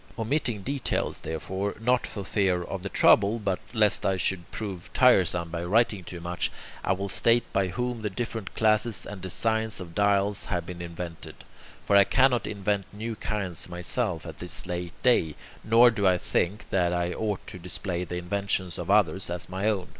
Omitting details, therefore, not for fear of the trouble, but lest I should prove tiresome by writing too much, I will state by whom the different classes and designs of dials have been invented. For I cannot invent new kinds myself at this late day, nor do I think that I ought to display the inventions of others as my own.